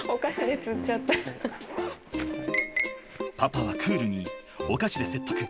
パパはクールにお菓子で説得。